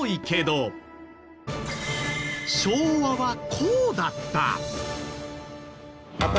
昭和はこうだった。